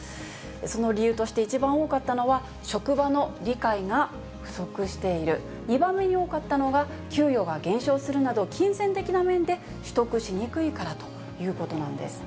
その理由として一番多かったのが職場の理解が不足している、２番目に多かったのが、給与が減少するなど、金銭的な面で、取得しにくいからということなんです。